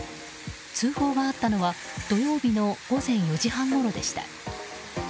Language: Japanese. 通報があったのは土曜日の午前４時半ごろでした。